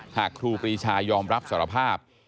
ครูปรีชายอมรับสารภาพ